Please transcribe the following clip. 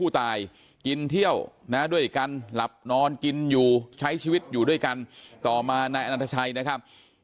แต่ก็ไม่ทันนะครับ